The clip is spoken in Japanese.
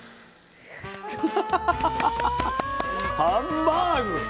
わハンバーグ。ね。